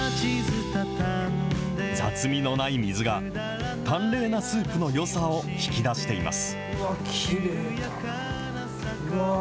雑味のない水が、淡麗なスープのよさを引き出しています。